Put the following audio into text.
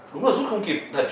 đúng là rút không kịp thật